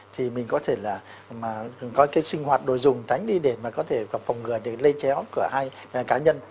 thì mình có thể là mà có cái sinh hoạt đối dùng tánh đi để mà có thể phòng ngừa để lây chéo của hai cá nhân